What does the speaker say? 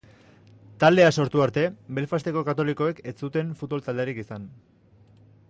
Taldea sortu arte, Belfasteko katolikoek ez zuten futbol talderik izan.